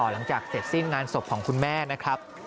หลังจากเสร็จสิ้นงานศพของคุณแม่นะครับ